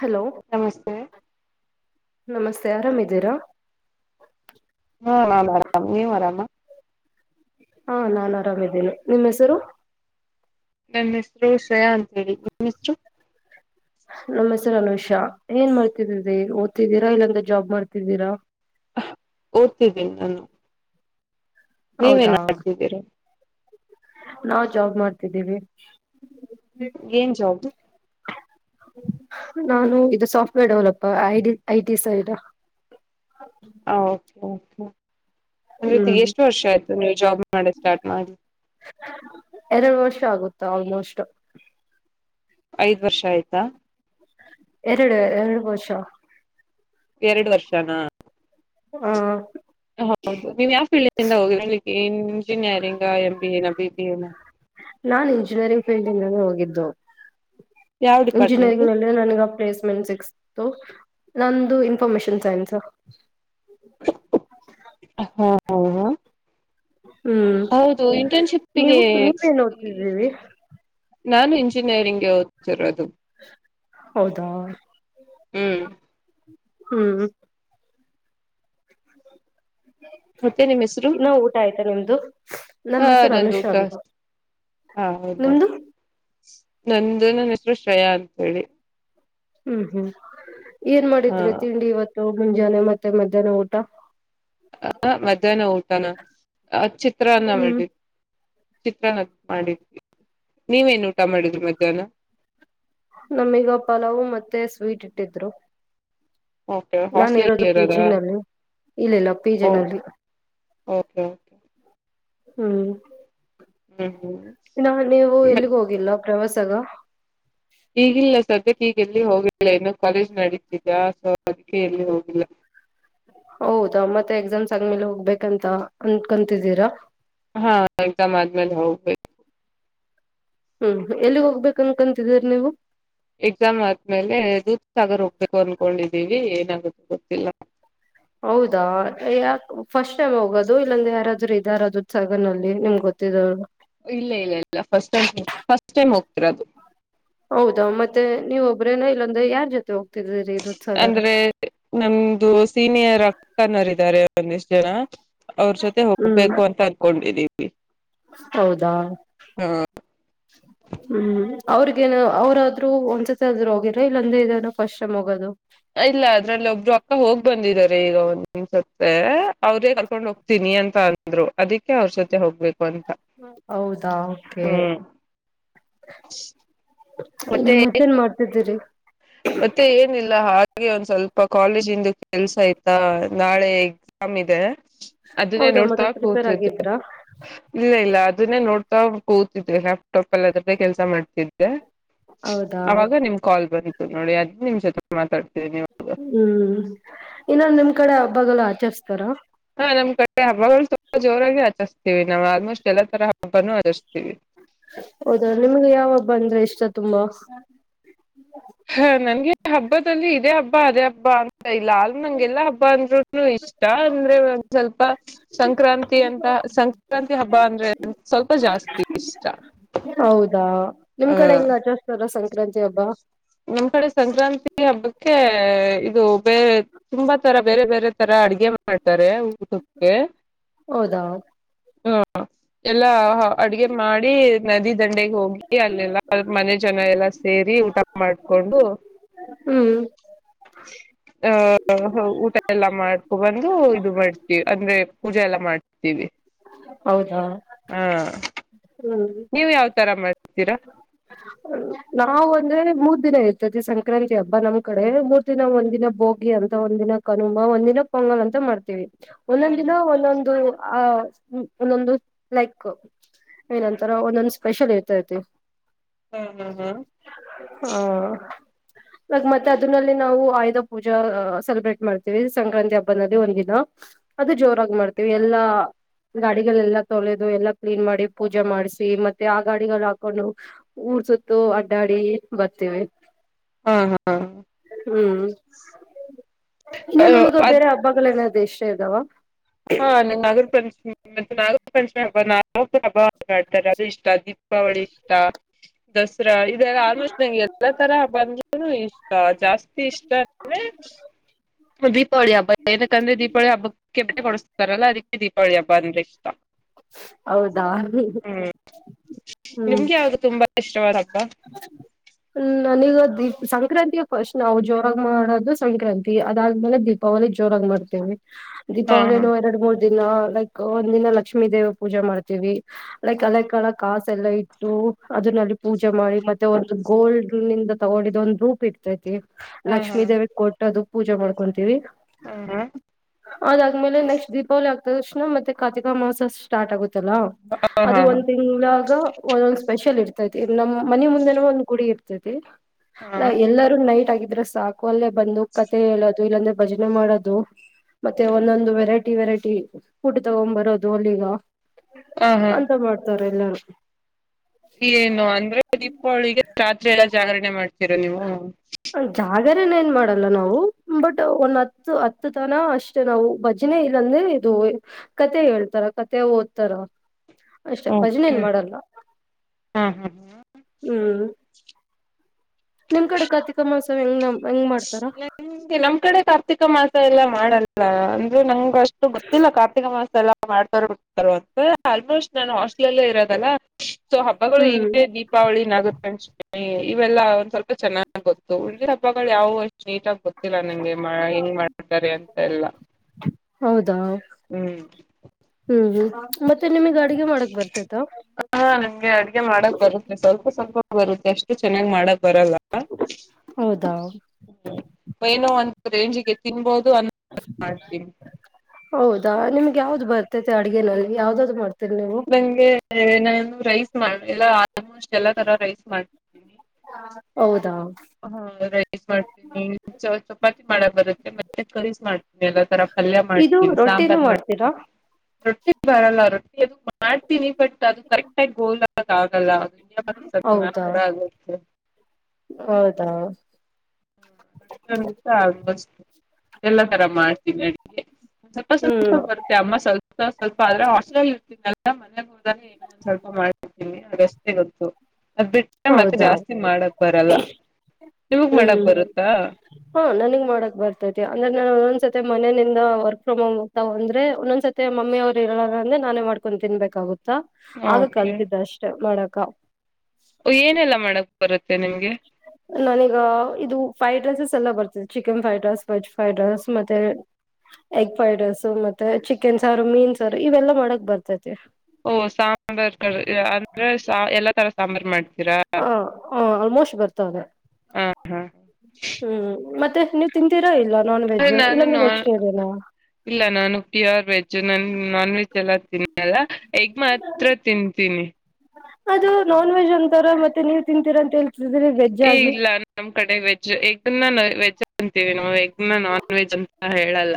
Hello. ನಮಸ್ತೆ. ನಮಸ್ತೆ ಆರಾಮ್ ಇದ್ದೀರಾ. ಹ್ಮ ನಾನು ಆರಾಮ್ ನೀವ್ ಆರಾಮ. ಹಾ ನಾನ್ ಆರಾಮಿದ್ದೇನೆ ನಿಮ್ ಹೆಸರು. ನನ್ನ ಹೆಸರು ಶ್ರೇಯಾ ಅಂತ ಹೇಳಿ ನಿಮ್ಮ ಹೆಸರು. ನಮ್ ಹೆಸ್ರು ಅನುಷಾ ಏನ್ ಮಾಡ್ತಿದಿ ಓದ್ತಿದ್ದೀರಾ ಇಲ್ಲಾಂದ ಜಾಬ್ ಮಾಡ್ತಿದ್ದೀರಾ. ಓದ್ತಿದ್ದೀನಿ ನಾನು. ನೀವ್ ಏನ್ ಮಾಡ್ತಿದ್ದೀರಿ. ನಾವು ಜಾಬ್ ಮಾಡ್ತಿದ್ದೀವಿ. ಏನ್ ಜಾಬು. ನಾನು ಇದು software develop I IT side. ಹ ಓಕೆ ಓಕೆ ಅಂದ್ರ ಹ್ಮ್ ಎಷ್ಟು ವರ್ಷ ಆಯ್ತು ನೀವು ಜಾಬ್ ಮಾಡಕೆ ಸ್ಟಾರ್ಟ್ ಮಾಡಿ. ಎರಡು ವರ್ಷ ಆಗುತ್ತಾ ಆಲ್ಮೋಸ್ಟ್. ಐದ್ ವರ್ಷ ಆಯ್ತಾ. ಎರಡ ಎರಡು ವರ್ಷ. ಎರಡು ವರ್ಷಾನ. ಹಾ ಹೌದು ನೀವ್ ಯಾವ ಫೀಲ್ಡ [unintelligible] ಇಂಜಿನಿಯರಿಂಗ್ ಎಬಿಏ ನಾ ಬಿಬಿಏ ನಾ. ನಾನ್ ಇಂಜಿನಿಯರಿಂಗ್ ಫೀಲ್ಡ್ ಇಂದನೇ ಹೋಗಿದ್ದು. ಯಾವ ಡಿಪಾರ್ಟ್ಮೆಂಟ್ ಇಂಜಿನಿಯರಿಂಗ್ ನಲ್ಲಿ ನನಗ ಪ್ಲೇಸ್ಮೆಂಟ್ ಸಿಕ್ ತು ನಂದು ಇನ್ಫಾರ್ಮೇಶನ್ ಸೈನ್ಸು. ಹಾ ಹಾ ಹ್ಮ್ ಹೌದು ಇಂಟರ್ನ್ಶಿಪ್ಗೆ. ನೀವು ನೀವೇನ್ ಓದ್ತಿದ್ದೀವಿ ನಾನು ಇಂಜಿನಿಯರಿಂಗ್ಗೆ ಓದ್ತಿರೋದು. ಹೌದಾ ಹ್ಮ್ ಹ್ಮ್. ಮತ್ತೆ ನಿಮ್ ಹೆಸರು ಇನ್ನ ಊಟ ಆಯ್ತಾ ನಿಮ್ದು ನಮ್ಮ ಹಾ ಹೆಸರು ನಂದು ಅನುಷ ಊಟ. ಅಂತ ಹ ಹೌದ ನಿಮ್ದು ನಂದು ನನ್ನ ಹೆಸರು ಶ್ರೇಯಾ ಅಂತ ಹೇಳಿ. ಹ್ಮ್ ಹ್ಮ್ ಏನ್ ಹಾ ಮಾಡಿದ್ರೆ ತಿಂಡಿ ಇವತ್ತು ಮುಂಜಾನೆ ಮತ್ತೆ ಮಧ್ಯಾಹ್ನ ಊಟ. ಆ ಮಧ್ಯಾಹ್ನ ಊಟಾನ ಆ ಚಿತ್ರನ್ನ ಮಾಡ ಹ್ಮ್ ಚಿತ್ರ ಮಾಡಿದ್ವಿ ನೀವೇನ್ ಊಟ ಮಾಡಿದ್ರಿ ಮಧ್ಯಾಹ್ನ. ನಮೀಗ ಪಲಾವು ಮತ್ತೆ ಸ್ವೀಟ್ ಇಟ್ಟಿದ್ರು. ಓಕೆ ನಾನ್ ಇರೋದು ಹಾಸ್ಟ್ಲಲ್ ಪಿ ಇರದಾ ಜಿ ನಲ್ಲಿ ಇಲ್ಲ ಇಲ್ಲ ಪಿ ಜಿ ಒಹ್ ನಲ್ಲಿ ಓಕೆ. ಓಕೆ ಹ್ಮ್ ಹ್ಮ್ ಹ್ಮ್ ನಾ ನೀವು ಮತ್- ಎಲ್ಲಿಗ ಹೋಗಿಲ್ಲ ಪ್ರವಾಸಗ. ಈಗಿಲ್ಲ ಸದ್ಯಕ್ಕೆ ಈಗ ಎಲ್ಲಿ ಹೋಗಿಲ್ಲ ಇನ್ನು ಕಾಲೇಜ್ ನಡೀತಿದ್ಯಾ ಸೊ ಅದಕ್ಕೆ ಎಲ್ಲಿ ಹೋಗಿಲ್ಲ. ಹೌದಾ ಮತ್ತೆ ಎಕ್ಸಾಮ್ಸ್ ಆದ್ಮೇಲೆ ಹೋಗ್ಬೇಕಂತ ಅನ್ಕಂತಿದ್ದೀರಾ. ಹ ಎಕ್ಸಾಮ್ ಆದ್ಮೇಲೆ ಹೋಗ್ಬೇಕು. ಹ್ಮ್ ಎಲ್ಲಿ ಹೋಗ್ಬೇಕ ಅನ್ಕಂತಿದೀರಿ ನೀವು. ಎಕ್ಸಾಮ್ ಆದ್ಮೇಲೆ ದುಧ್ ಸಾಗರ್ ಹೋಗ್ಬೇಕು ಅನ್ಕೊಂಡಿದ್ದೀವಿ ಏನಾಗುತ್ತೆ ಗೊತ್ತಿಲ್ಲ. ಹೌದಾ ಯಾ ಫಸ್ಟ್ ಟೈಮ್ ಹೋಗೋದು ಇಲ್ಲಾಂದ ಯಾರಾದ್ರೂ ಇದ್ದಾರ ದೂಧ್ಸಗರ ನಲ್ಲಿ ನಿಮ್ಗೆ ಗೊತ್ತಿರೋರು. ಇಲ್ಲ ಇಲ್ಲ ಇಲ್ಲ ಫಸ್ಟ್ ಟೈಮ್ ಫಸ್ಟ್ ಟೈಮ್ ಹೋಗ್ತಿರದು. ಹೌದಾ ಮತ್ತೆ ನೀವ ಒಬ್ರೇನ ಇಲ್ಲೊಂದ ಯಾರ್ ಜೊತೆ ಹೋಗ್ತಿದ್ದೀರಿ. ಅಂದ್ರೆ. ನಮ್ದು ಸೀನಿಯರ್ ಅಕ್ಕನರ್ ಇದಾರೆ ಒಂದಿಷ್ಟು ಜನ ಅವ್ರ ಜೊತೆ. ಜೊತೆ ಹ್ಮ್ ಹೋಗ್ಬೇಕು ಅಂತ ಅನ್ಕೊಂಡಿದೀವಿ. ಹೌದಾ. ಹಾ ಹ್ಮ್ ಅವ್ರಿಗೇನು ಅವ್ರಾದ್ರು ಒಂದ್ಸತಿ ಆದ್ರು ಹೋಗಿರ ಇಲಾದ್ರ ಇದನೆ ಫಸ್ಟ್ ಟೈಮ್ ಹೋಗೋದು. ಇಲ್ಲ ಅದ್ರಲ್ಲಿ ಒಬ್ರು ಅಕ್ಕ ಹೋಗ್ ಬಂದಿದ್ದಾರೆ ಈಗ ಒಂದ್ಸತಿ ಅವ್ರೇ. ಕೊಂಡ್ ಹೋಗ್ತೀನಿ ಅಂತ ಅಂದ್ರು ಅದುಕ್ಕೆ ಅವ್ರ ಜೊತೆ ಹೋಗ್ಬೇಕು. ಅಂತ ಹೌದಾ ಓಕೆ. ಹ್ಮ್ ಇನ್ನ ಮತ್ತೆ ಮತ್ತೇನ್ ಮಾಡ್ತಿದ್ದೀರಿ. ಮತ್ತೆ ಏನಿಲ್ಲ ಹಾಗೆ ಒಂದ್ ಸ್ವಲ್ಪ ಕಾಲೇಜಿಂದ ಕೆಲ್ಸ ಆಯ್ತಾ ನಾಳೆ. ಎಕ್ಸಾಮ್ ಇದೆ ಅದುನ್ನೇ ಹೌದಾ ನೋಡ್ತಾ ಮತ್ತೆ ಪ್ರಿಪೇರ್ ಕೂತಿದ್ದೆ. ಆಗಿದ್ರಾ ಇಲ್ಲ ಇಲ್ಲ ಅದುನ್ನೇ ನೋಡ್ತಾ ಕೂತಿದ್ದೆ ಲ್ಯಾಪ್ಟಾಪ್ ಅದ್ರುದೇ ಕೆಲ್ಸ ಮಾಡ್ತಿದ್ ಹೌದಾ ಅವಾಗ ನಿಮ್ ಕಾಲ್ ಬಂತು ನೋಡಿ ಅದ್ ನಿಮ್ ಜೊತೆ ಮಾತಾಡ್ತಿದೀವಿ. ಹ್ಮ್ ಇನ್ನೊಂದು ನಿಮ್ ಕಡೆ ಹಬ್ಬಾಗಳು ಆಚರ್ಸ್ತಾರ. ಹಾ ನಮ್ ಕಡೆ ಹಬ್ಬಗಳು ಸ್ವಲ್ಪ ಜೋರಾಗಿ ಆಚರ್ಸ್ತೀವಿ ನಾವ್ ಆಲ್ಮೋಸ್ಟ್ ಎಲ್ಲಾ ತರ ಹಬ್ಬನು ಆಚರ್ಸ್ತೀವಿ. ಹೌದ ನಿಮ್ಗೆ ಯಾವಬ್ಬ ಅಂದ್ರೆ ಇಷ್ಟ ತುಂಬಾ. ಹಾ ನನ್ಗೆ ಹಬ್ಬದಲ್ಲಿ ಇದೇ ಹಬ್ಬ ಅದೇ ಹಬ್ಬ ಅಂತ ಇಲ್ಲ ಅಲ್ ನಂಗೆಲ್ಲಾ ಹಬ್ಬ ಅಂದ್ರುನು ಇಷ್ಟ ಅಂದ್ರೆ ಒಂದ್ ಸ್ವಲ್ಪ. ಸಂಕ್ರಾಂತಿ ಅಂತ ಸಂಕ್ರಾಂತಿ ಹಬ್ಬ ಅಂದ್ರೆ ಸ್ವಲ್ಪ ಜಾಸ್ತಿ ಇಷ್ಟ. ಹೌದಾ ನಿಮ್ ಆ ಕಡೆ ಹೆಂಗ್ ಆಚರ್ಸ್ತಾರೆ ಸಂಕ್ರಾಂತಿ ಹಬ್ಬ. ನಮ್ ಕಡೆ ಸಂಕ್ರಾಂತಿ ಹಬ್ಬಕ್ಕೆ ಇದು ಬೇರೆ. ತುಂಬಾ ತರ ಬೇರೆ ಬೇರೆ ತರ ಅಡ್ಗೆ ಮಾಡ್ತಾರೆ. ಊಟುಕ್ಕೆ ಹೌದಾ ಹ್ಮ್. ಎಲ್ಲಾ ಅಡ್ಗೆ ಮಾಡಿ ನದಿ ದಂಡೆಗ್ ಹೋಗಿ ಅಲ್ಲೆಲ್ಲ ಮನೆ ಜನ ಎಲ್ಲ ಸೇ ಮಾಡ್ಕೊಂಡು. ಹ್ಮ್ ಆಹ ಊಟ ಎಲ್ಲ ಮಾಡ್ಕೊ ಬಂದು ಇದು ಮಾಡ್ತೀವಿ ಅಂದ್ರೆ ಪೂಜೆ ಎಲ್ಲ ಮಾಡ್ ಇವಿ. ಹೌದಾ ಹ್ಮ್. ನೀವು ಯಾವ್ ತರ ಮಾಡ್ತಿರಾ. [inaudible] ನಾವ್ ಅಂದ್ರೆ ಮೂರ್ ದಿನ ಇರ್ತತಿ ಸಂಕ್ರಾಂತಿ ಹಬ್ಬಾ ನಮ್ ಕಡೆ ಮೂರ್ ದಿನ ಒಂದಿನ ಬೋಗ್ ಗಿ ಅಂತ ಒಂದ ದಿನ ಕನುಮಾ ಒಂದ ದಿನ ಪೊಂಗಲ್ ಅಂತ ಮಾಡ್ತೀವಿ. ಹಾ ಒನಂದಿನ ಒಂದೊಂದು ಆ. ಹ್ಮ ಒಂದೊಂದು ಲೈಕ್ ಏನಂತರ ಒಂದೊಂದು ಸ್ಪೆಷಲ್ ಇರ್ತೈತಿ. ಹಾ ಹಾ ಹಾ ಹ್ಮ ಅ ಮತ್ತೆ ಅದಲ್ಲಿ ನಾವು ಆಯುಧ ಪೂಜಾ ಸೆಲೆಬ್ರೇಟ್ ಮಾಡ್ತೀವಿ ಸಂಕ್ರಾಂತಿ ಹಬ್ಬನಲ್ಲಿ ಒಂದ ದಿನ. ಅದು ಜೋರಾಗಿ ಮಾಡ್ತೇವಿ ಎಲ್ಲಾ. ಗಾಡಿಗಳೆಲ್ಲಾ ತೊಳೆದು ಎಲ್ಲಾ ಕ್ಲೀನ್ ಮಾಡಿ ಪೂಜೆ ಮಾಡ್ಸಿ ಮತ್ತೆ ಆ ಗಾಡಿ. ಹಕೊಂಡು ಊರ್ ಸುತ್ತು ಅಡ್ಡಾಡಿ ಬರ್ತೀವಿ. ಹಾ ಹಾ ಹ್ಮ್ ಇನ್ನು ನಿಮಗು ಅದ್ ಬೇರೆ ಹಬ್ಬಗಳೇನದ್ರು ಇಷ್ಟೇ ಇದಾವ. ಹಾ ನಗರ ಪಂಚಮಿ. ಮತ್ತೆ ನಾಗ ಪಂಚಮಿ ಹಬ್ಬ ನಾಗ ಹಭ ಆಡ್ತಾರೆ ಅದು ಇಷ್ಟ ದೀಪಾವಳಿ ಇಷ್ಟ. ದಸರಾ ಇದಾಗ ಆಲ್ಮೋಸ್ಟ್ ನಂಗೆ ಎಲ್ಲ ತರ ಹಬ್ಬ ಅಂದ್ರುನು ಇಷ್ಟ ಜಾಸ್ತಿ ಇಷ್ಟ. ಅಂದ್ರೆ ಹ ದೀಪಾವಳಿ ಹಬ್ಬ ಏನಕಂದ್ರೆ ದೀಪಾವಳ ಹಬ್ಬಕೆ ಬಟ್ಟೆ ಕೊಡುಸ್ ಎಲ್ಲ ಅದಕ್ಕೆ ದೀಪಾವಳ ಹಬ್ಬ ಅಂದ್ರ ಇಷ್ಟ. ಹೌದಾ ಹ್ಮ್ ನಿಮ್ಗೆ ಯಾವ್ದು ತುಂಬಾ ಇಷ್ಟವಾದ ಹಬ್ಬ. ಹ ಹ್ಮ ನನೀಗ ದೀಪ್ ಸಂಕ್ರಾಂತಿ ಫಸ್ಟ್ ನಾವು ಜೋರಗ ಮಾಡೋದು ಸಂಕ್ರಾಂತಿ ಅದಾದ್ಮೇಲೆ ದೀಪ ವಳಿ ಜೋರಾಗಿ ಮಾಡ್ತೇವೆ ಹಾ ದೀಪಾವಳಿಯನು ಎರಡು ಮೂರ ದಿನ ಲೈಕ್ ಒಂದ್ ದಿನ ಲಕ್ಷ್ಮೀ ದೇವರ ಪೂಜೆ ಮಾಡ್ತೀವಿ. ಲೈಕ್ ಅಲೆ ಕಳ ಕಾಸ ಎಲ್ಲ ಇಟ್ಟು ಅದಲ್ಲಿ ಪೂಜೆ. ಪೂಜೆ ಮಾಡಿ ಮತ್ತೆ ಒಂದು ಗೋಲ್ಡ್ ನಿಂದ ತಗೊಂಡಿದ ಒಂದ್ ರೂಪ್ ಇರ್ತೈತಿ. ಹಾ ಹಾ ಲಕ್ಷ್ಮೀ ದೇವಿ ಕೊಟ್ ಅದು ಪೂಜೆ ಮಾಡ್ಕೊಂತೀವಿ. ಹಾ ಅದಾದ್ಮೇಲೆ ನೆಕ್ಸ್ಟ್ ದೀಪಾವಳಿ ಆಗ್ತದ ಅಕ್ಷ್ಣ ಮತ್ತೆ ಕಾರ್ತಿಕ ಮಾಸ. ಸ್ಟಾರ್ಟ್ ಆಗುತ್ತಲ್ಲಾ ಹಾ ಅದು ಹಾ ಒಂದ್ ಹಾ ತಿಂಗಳಾಗ ಒಂದೊಂದು ಸ್ಪೆಷಲ್ ಇರ್ತೈತಿ. ನಮ್ಮ್ ಮನೆ ಮುಂದೆನ ಒಂದ್ ಗುಡಿ ಇರ್ತದೆ ಹಾ ಎಲ್ಲರೂ ನೈಟ್ ಆಗಿದ್ರೆ ಸಾಕ. ಅಲ್ಲೆ ಬಂದು ಕತೆ ಹೇಳೋದು ಇಲ್ಲಾಂದ್ರೆ ಭಜನೆ ಮಾಡೋದು. ಮತ್ತೆ ಒಂದೊಂದು ವೆರೈಟಿ ವೆರೈಟಿ ಪೂಡ್ ತಗೊಂಡ್ ಬರೋದು ಅಲ್ಲಿಗ. ಹಾ ಹಾ ಅಂತ ಮಾಡ್ತ್ರೆ ಎಲ್ಲಾರೂ. ಏನು ಅಂದ್ರೆ ದೀಪಾವಳಿಗೆ ರಾತ್ರಿ ಎಲ್ಲ ಜಾಗರಣೆ ಮಾಡ್ತೀರ ನೀವು. ಜಾಗರಣೇನ ಏನ್ ಮಾಡಲ್ಲ ನಾವು ಬಟ್ ಒಂದ ಹತ್ತು ಹತ್ತು ತನ ಅಷ್ಟ ಷ್ಟ ನಾವು ಭಜನೆ ಇಲ್ಲ ಅಂದ್ರೆ ಇದು ಕತೆ ಹೇಳ್ತಾರ ಕತೆ ಓದ್ತಾರ. ಅಷ್ಟೇ ಭಜನೆ ಏನ್ ಓಕೆ ಮಾಡಲ್ಲ ಹಾ ಹಾ ಹಾ ಹ್ಮ್. ನಿಮ್ ಕಡೆ ಕಾರ್ತಿಕ ಅಮಾವಾಸೆ ಹೆಂಗ ನ ಹೆಂಗ್ ಮಾಡ್ತಾರ. ಹಂಗೆ ನಮ್ ಕಡೆ ಕಾರ್ತಿಕ ಮಾಸ ಎಲ್ಲಾ ಮಾಡಲ್ಲ ಅಂದ್ರೆ ನಂಗೆ. ಪಸ್ಟ್ ಗೊತ್ತಿಲ್ಲ ಕಾರ್ತಿಕ ಮಾಸ ಎಲ್ಲ ಮಾಡ್ತಾರ ಬಿಡ ತಾರ ಅಂತ ಆಲ್ಮೋಸ್ಟ್ ನಾನ ಹಾಸ್ಟ್ಲಲ್ಲೇ ಇರೋದಲ್ಲಾ. ಸೊ ಹಬ್ಬಗಳು ಇವೆ ಹೌದಾ ಹ್ಮ್ ದೀ ದೀಪಾವಳಿ ನಾಗರ ಪಂಚಮಿ ಇವೆಲ್ಲಾ ಒಂದ್ ಸ್ವಲ್ಪ ಚೆನ್ನಾಗಿ ಗೊತ್ತು ಉಳ್ದಿರೋ ಹಬ್ಬಗಳು ಯಾವು ಅಸ್ಟ್ ನೀಟಾಗಿ ಗೊತ್ತಿಲ್ಲ ನಂಗೆ ಹೆಂಗ್ ಮಾಡ್ತಾರೆ ಅಂತ ಎಲ್ಲ. ಹೌದಾ. ಹ್ಮ್ ಹ್ಮ್ ಮತ್ತೆ ನಿಮ್ಗೆ ಅಡಗೆ ಮಾಡಕ್ ಬರ್ತೇತ. ಹ ಹಾ ನಮ್ಗೆ ಅಡ್ಗೆ ಮಾಡಕ್ ಬರುತ್ತ ಸ್ವಲ್ಪ ಸ್ವಲ್ಪ ಬರುತ್ತೆ ಅಷ್ಟು ಚೆನ್ನಾಗ್ ಮಾಡಕ್ ಬರಲ್ಲ. ಹೌದಾ. ಏನೋ ಅಂತ ರೇಂಜ್ಗೆ ತಿನ್ಬೋದು ಅನ ಹೌದಾ ನಿಮ್ಗೆ ಯಾವ್ದು ಬರ್ತತೆ ಅಡ್ಗೆನಲ್ಲಿ ಯಾವ್ದಾದ್ ಮಾಡ್ ನಂಗೆ ನಾನು ರೈಸ್ ಮಾಡ ಎಲ್ಲ ಆಲ್ಮೋಸ್ಟ್ ಎಲ್ಲಾ ತರ ರೈಸ್ ಮಾಡ ಹೌದಾ. ಹಾ ರೈಸ್ ಮಾಡ್ತೀನಿ ಚಪಾತಿ ಮಾಡಕ ಬರುತ್ತೆ ಮತ್ತೆ ಕರೀಸ್ ಮಾಡ್ತೀನಿ ಎಲ್ಲ ತರ. ಪಲ್ಯ ಇದು ಮಾಡ್ತೀವಿ ರೊಟ್ಟಿನೂ ಸಾಂಬಾರ ಮಾಡ್ತೀರಾ ಮಾಡ್ತೀನಿ ರೊಟ್ಟಿ ಬರಲ್ಲ ರೊಟ್ಟಿ ಅದು ಮಾಡ್ತೀನಿ ಬಟ್ ಅದು ಕರೆಕ್ಟ್ ಗೋಲ್ ಆಗಿ ಆಗಲ್ಲ. ಇಂಡಿಯ ಪಾಕಿಸ್ತಾನ್ ಮ್ಯಾಪ್ ಹೌದಾ ತರ ಆಗುತ್ತೆ. ಹೌದಾ. ಆಮೋಸ್ಟ್ ಎಲ್ಲ ತರ ಮಾಡ್ತೀನಿ ಅಡ್ಗೆ ಸ್ವಲ್ಪ ಸ್ವಲ್ಪ ಹ್ಮ್ ಬರ್ ಅಮ್ಮ ಸ್ವಲ್ಪ ಸ್ವಲ್ಪ ಆದ್ರೆ ಹಾಸ್ಟೆಲ್ ಇರ್ತನಲ್ಲ ಮನೆಗ್ ಹೋದಾಗ ಹೇಳ್ ಸ್ವಲ್ಪ ಮಾಡ್ತಿನಿ ಅದಷ್ಟೇ ಗೊತ್ತು ಅದ್ ಬಿಟ್ಟ ಮತ್ತೆ ಹೌದಾ ಜಾಸ್ತಿ ಮಾಡಕ್ ಬರಲ್ಲ ನಿಮಗ್ ಮಾಡಕ್ ಹ್ಮ್ ಬರುತ್ತಾ. ಹಾ ನನಗ್ ಮಾಡಕ್ ಬರ್ತೈತಿ ಅಂದ್ರೆ ನಾನು ಒಂದದಸತಿ ಮನ ನಿಂದ ವರ್ಕ್ ಫ್ರಮ್ ಹೋಮು. ಅ ಅಂದ್ರೆ ಒಂದೊಂದ್ಸ ಸತಿ ಮಮ್ಮಿ ಅವರು ಇರೋ ಅಂದ್ರೆ ನಾನೇ ಮಾಡ್ಕೊಂಡು ತಿನ್ಬೇಕಾಗುತ್ತಾ. ಆಗ ಓಕೆ ಕಲ್ತಿದ್ದ ಅಷ್ಟೆ ಮಾಡಕ. ಏನೆಲ್ಲಾ ಮಾಡಕ್ ಬರುತ್ತೆ ನಿಮ್ಗೆ. ನನ ಈ ಇದು ಫ್ರೈಡ್ ರೈಸಸ್ ಎಲ್ಲ ಬರ್ತದೆ chicken fried rice veg fried rice ಮತ್ತೆ. ಎಗ್ ಫ್ರೈಡ್ ರೈಸು ಮತ್ತೆ ಚಿಕನ್ ಸಾರು ಮೀನ್ ಸಾರು ಇವೆಲ್ಲ ಮಾಡಕ್ ಬರ್ತೈತಿ. ಓ ಸಾಂಬಾರ್ ಕ ಅಂದ್ರೆ ಸ ಎಲ್ಲಾ ತರ ಸಾಂಬಾರ್ ಮಾಡ್ತೀರಾ. ಹ ಹ ಆಲ್ಮೋಸ್ಟ್ ಬರ್ತದೆ. ಹಾ ಹಾ ಹ್ಮ್ ಮತ್ತೆ ನೀವ್ ತಿಂತೀರಾ ಇಲ್ ಹ ನಾನು ನ. ಇಲ್ಲ ನಾನು ಪ್ಯೂರ್ ವೆಜ್ಜ್ ನಾನ ನಾನ್ ವೆಜ್ ಎಲ್ಲ ತಿನ್ನಲ್ಲ ಎಗ್ ಮಾತ್ರ ತಿಂತೀನಿ. ಅದು ನಾನ್ ವೆಜ್ ಅಂತಾರ ಮತ್ತೆ ನೀವ್ ತಿಂತೀರ ಅಂತ ಹೆ [unintelligible] ಏ ಇಲ್ಲ. ನಮ್ಮ್ ಕಡೆ ವೆಜ್ ಎಗ್ ನ ವೆಜ್ ಅಂತೀವಿ ನಾವು ಏಗ್ನ ನಾನ್ ವೆಜ್ ಅಂತ ಹೇಳಲ್ಲ.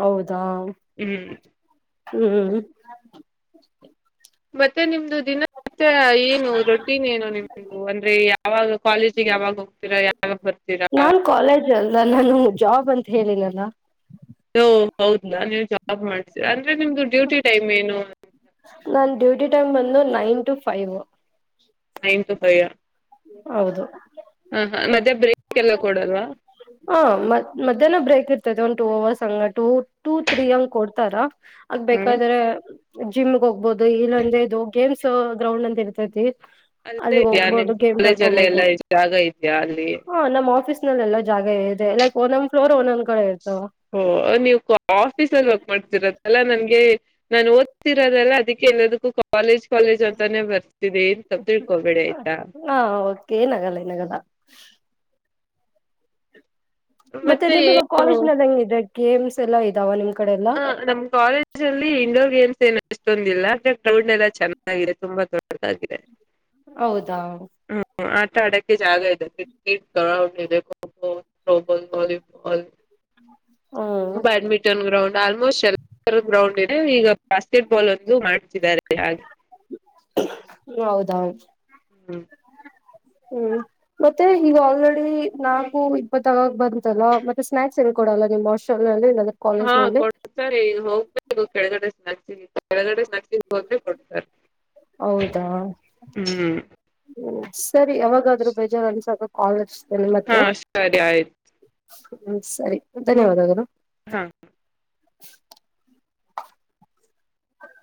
ಹೌದಾ ಹ್ಮ್ ಹ್ಮ್. ಮತ್ತೆ ನಿಮ್ದು ದಿನ. [unintelligible] ರೊಟೀನ್ ಏನು ನಿಮ್ದು ಅಂದ್ರೆ ಯಾವಾಗ ಕಾಲೇಜಿಗೆ ಯಾವಾಗ ಹೋಗ್ತೀರಾ ಯಾವಾಗ ಬರ್ತೀರಾ. ನಾನ್ ಕಾಲೇಜ್ ಅಲ್ಲ ನಾನು ಜಾಬ್ ಅಂತ ಹೇಳಿನಲ್ಲ. ಹೌದಾ ನೀವು ಜಾಬ್ ಮಾಡ್ತೀರಾ ಅಂದ್ರೆ ನಿಮ್ದು ಡ್ಯೂಟಿ ಟೈಮ್ ಏನು. ನನ್ ಡ್ಯೂಟಿ ಟೈಮ್ ಬಂದು nine to five. Nine to five ಹ. ಹೌದು. ಹ ಹ ಮಧ್ಯ ಬ್ರೇಕ್ ಎಲ್ಲ ಕೊಡಲ್ವಾ. ಹ ಮ ಮಧ್ಯಾಹ್ನ ಬ್ರೇಕ್ ಇರ್ತೈತೆ ಒಂದ್ ಟೂ ಓರ್ಸ್ ಹಂಗ ಟೂ ಟೂ ತ್ರೀ ಹಂಗ್ ಕೊಡ್ತಾರ. ಹ್ಮ್ ಆಗ್ಬೇಕಾದ್ರೆ ಜಿಮ್ಗೆ ಹೋಗ್ಬಹುದು ಇಲ್ಲಂದ ಇದು ಗೇಮ್ಸ್. ಗ್ರೌಂಡ್ ಅಂತ ಇರ್ತೈತಿ. ಅಲ್ಲೇ ಅಲ್ಲಿಗ್ ಇದ್ಯಾ ನಿಮ್ ಹೋಗ್ಬೋದು ಗೇಮ್ಸ್ ಕಾಲೇಜ ಅಲ್ಲ ಎಲ್ಲಾ ಆಸ್ಟ್ ಜಾಗ ಇದ್ಯಾ ಅಲ್ಲಿ. ಹ ನಮ್ಮ ಆಫೀಸ್ ನಲ್ಲಿ ಎಲ್ಲ ಜಾಗ ಇದೆ ಲೈಕ್ ಒಂದೊಂದ್ ಫ್ಲೋರ್ ಒಂದೊಂದ್ ಕಡೆ ಇರ್ತವ. ಓ ನೀವು ಆಫೀಸಲ್ಲಿ ವರ್ಕ್ ಮಾಡ್ತೀರದಲ್ಲ ನನ್ಗೆ ನಾನ್ ಓದ್ತಿರೋದಲ್ಲ ಅದಕ್ಕೆ ಎಲ್ಲದಕ್ಕೂ ಕಾಲೇಜ್ ಅಂತಾನೆ ಬರ್ತಿದ್ದಿ ತಪ್ಪ ತಿಳ್ಕೊಬೇಡಿ ಆಯ್ತಾ ಹಾ ಓಕೆ ಏನಾಗಲ್ಲ ಏನಾಗಲ್ಲ ಮತ್ತೆ ನಿಮಗ ಕಾಲೇಜ್ ನಲ್ಲಿ ಹೆಂಗಿದೆ ಗೇಮ್ಸ್ ಎಲ್ಲಾ ಇದಾವ ನಿಮ್ ಕಡೆ ಎಲ್ಲಾ? ಹ ನಮ್ ಕಾಲೇಜ್ ಅಲ್ಲಿ ಇಂಡೋರ್ ಗೇಮ್ಸ್ ಏನು ಅಷ್ಟೊಂದಿಲ್ಲ ಅಂದ್ರೆ ಗ್ರೌಂಡ್ ಎಲ್ಲ ಚೆನ್ನಾಗಿದೆ ತುಂಬಾ ದೊಡ್ದಾಗಿದೆ ಹೌದಾ ಹ್ಮ್ ಆಟ ಆಡೋಕ್ಕೆೆ ಜಾಗ ಇದೆ cricket [unintelligible] kho kho throw ball volleyball ಹ್ಮ [unintelligible] ಬ್ಯಾಡ್ಮಿಂಟನ್ ಗ್ರೌಂಡ್ ಆಲ್ಮೋಸ್ಟ್ ಎಲ್ಲರ ಗ್ರೌಂಡ್ ಇದೆ ಈಗ ಬಾಸ್ಕೆಟ್ ಬಾಲ್ ಒಂದು ಮಾಡ ತ್ತಿದ್ದಾರೆ ಹಾಗೆ ಹೌದ ಹ್ಮ್ ಹ್ಮ್ ಮತ್ತೆ ಈಗ ಆಲ್ರೆಡಿ ನಾಲ್ಕು ಇಪ್ಪತ್ತಗಾಗ ಬಂತಲ್ಲ ಮತ್ತೆ ಸ್ನಾಕ್ಸ್ ಏನ್ ಕೊಡಲ್ಲ ನಿಮ್ಮ್? [unintelligible] [unintelligible] ಹಾ ಕೊಡ್ತರಿ ಹೋಗ್ಬೇಕು ಕೆಳಗಡೆ [unintelligible] ಕೆಳಗಡೆ [unintelligible] ಹೋದ್ರೆ ಕೊಡ್ತರಿ. ಹೌದಾ ಹ್ಮ್ ಸರಿ ಯಾವಾಗಾದ್ರೂ ಬೇಜಾರು ಅನ್ಸದಾಗ ಕಾಲ್ ಅಚ್ಚು. [unintelligible] ಮತ್ತೆ ಹಾ ಸರಿ ಆಯ್ತು ಹ್ಮ ಸರಿ ಧನ್ಯವಾದಗಳು ಹ್ಮ್